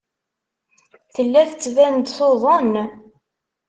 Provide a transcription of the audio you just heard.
Tella tettban-d tuḍen.